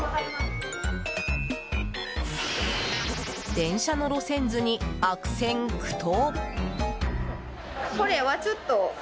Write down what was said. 電車の路線図に悪戦苦闘。